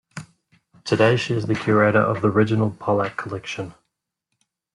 Today she is the curator of the Reginald Pollack Collection.